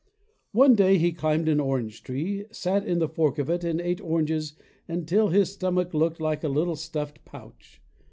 One day he climbed an orange tree, sat in the fork of it and ate oranges until his stomach looked like a little stuffed pouch.